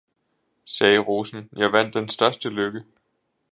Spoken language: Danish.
sagde rosen, jeg vandt den største lykke!